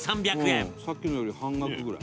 「さっきのより半額ぐらい」